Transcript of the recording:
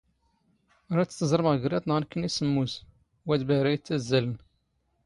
ⵔⴰⴷ ⵜ ⵜⵥⵕⵎ ⵖ ⴳⵔⴰⵜⵏⵖ ⵏⴽⴽⵏⵉ ⵙ ⵙⵎⵎⵓⵙ, ⵡⴰⴷ ⴱⴰⵀⵔⴰ ⵉⵜⵜⴰⵣⵣⴰⵍⵏ.